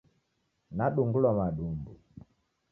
Nadungulwa madumbu